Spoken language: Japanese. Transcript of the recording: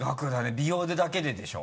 美容だけででしょ？